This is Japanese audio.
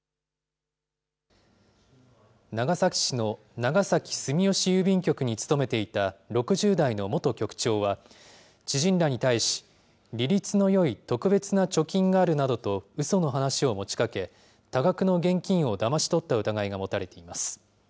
長崎市の長崎住吉郵便局に勤めていた６０代の元局長は、知人らに対し、利率のよい特別な貯金があるなどとうその話を持ちかけ、多額の現金をだまし取った疑いが持たれています。